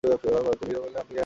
মীরা বললেন, আপনি কি একা থাকেন?